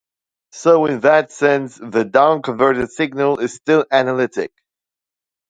So in that sense, the down-converted signal is still "analytic".